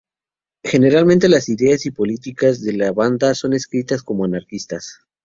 Generalmente las ideas y políticas de la banda son descritas como anarquistas.